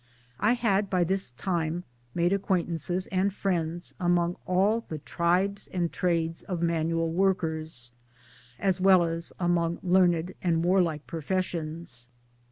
I had by this time made acquaintances and friends among all the tribes and trades of manual workers, as well as among learned and warlike professions.